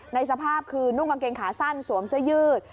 สภาพคือนุ่งกางเกงขาสั้นสวมเสื้อยืด